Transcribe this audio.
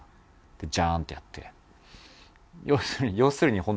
でジャーン！ってやって。